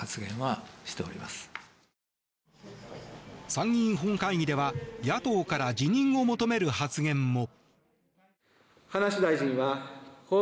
参議院本会議では野党から辞任を求める発言も。